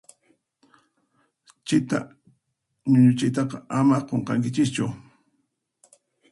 Chita ñuñuchiytaqa ama qunqankichischu.